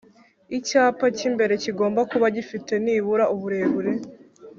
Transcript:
Icyapa cy’imbere kigomba kuba gifite nibura uburebure